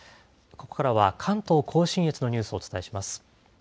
ここからは関東甲信越のニュースをお伝えします。